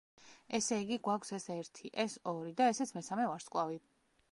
ესე იგი გვაქვს ეს ერთი, ეს ორი, და ესეც მესამე ვარსკვლავი.